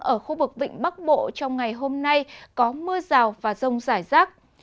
ở khu vực vịnh bắc bộ trong ngày hôm nay có mưa rào và rông rải rác